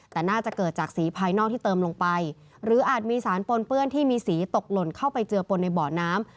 แต่น่าจะเกิดจากสีภายนอกที่เติมลงไปหรืออาจมีสารปนเปื้อนที่มีสีตกหล่นเข้าไปเจือปนในเบาะน้ำ